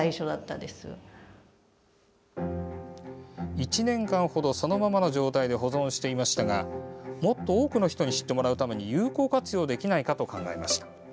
１年間ほどそのままの状態で保存していましたがもっと多くの人に知ってもらうために有効活用できないかと考えました。